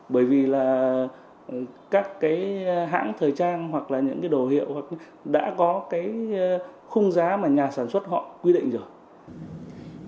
bởi vì là các cái hãng thời trang hoặc là những cái đồ hiệu hoặc đã có cái khung giá mà nhà sản xuất họ quy định rồi